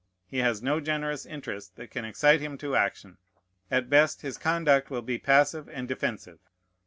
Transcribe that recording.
He has no generous interest that can excite him to action. At best, his conduct will be passive and defensive.